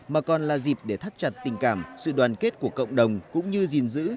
mà còn là dịp để thắt chặt tình cảm sự đoàn kết của cộng đồng cũng như gìn giữ